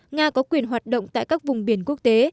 nga có quyền hoạt động tại các vùng biển quốc tế